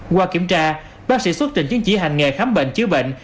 qua kiểm tra bác sĩ xuất trình chứng chỉ hành nghề khám bệnh chứa bệnh